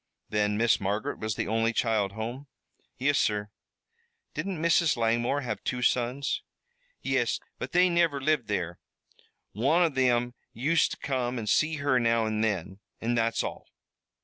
"Then Miss Margaret was the only child home?" "Yis, sur." "Didn't Mrs. Langmore have two sons?" "Yis, but they niver lived there. One av thim used to come an' see her now an' thin, an' that's all."